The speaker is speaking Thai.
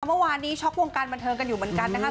เมื่อวานนี้ช็อกวงการบันเทิงกันอยู่เหมือนกันนะครับ